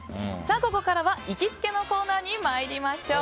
ここからは行きつけのコーナーに参りましょう。